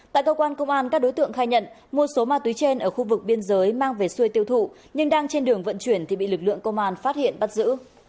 tại cơ quan công an các đối tượng khai nhận mua số ma túy trên ở khu vực biên giới mang về xuôi tiêu thụ nhưng đang trên đường vận chuyển thì bị lực lượng công an phát hiện bắt giữ